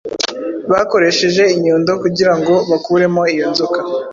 bakoresheje inyundo ,kugira ngo bakuremo iyo nzoka